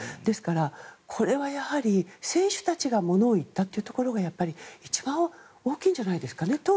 ですからこれはやはり選手たちがものを言ったというところが一番大きいんじゃないですかね。